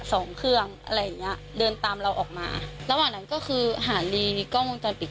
สองเครื่องอะไรอย่างเงี้ยเดินตามเราออกมาระหว่างนั้นก็คือหาลีมีกล้องวงจรปิด